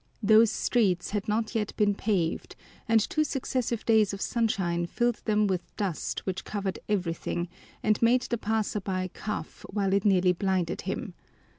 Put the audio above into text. Those streets had not yet been paved, and two successive days of sunshine filled them with dust which covered everything and made the passer by cough while it nearly blinded him.